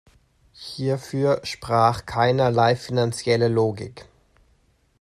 Hierfür sprach keinerlei finanzielle Logik.